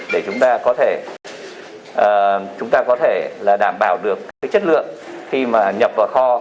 để chúng ta có thể đảm bảo được chất lượng khi nhập vào kho